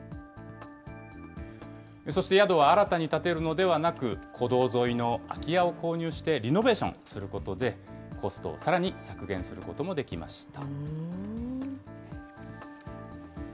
そして宿は新たに建てるのではなく、古道沿いの空き家を購入してリノベーションすることで、コストをさらに削減することもできました。